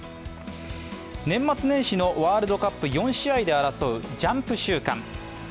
年末年始のワールドカップ４試合で争うジャンプ週間。